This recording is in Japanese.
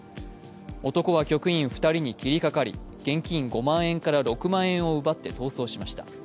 男は局員２人に切りかかり現金５万円から６万円を奪って逃走しました。